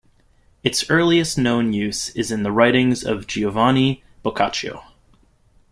Its earliest known use is in the writings of Giovanni Boccaccio.